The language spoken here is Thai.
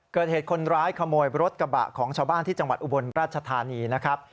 เกิดเหตุคนร้ายขโมยรถกระบะของชาวบ้านที่จังหวัดอุบลราชธานีนะครับ